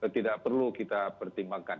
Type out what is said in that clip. tidak perlu kita pertimbangkan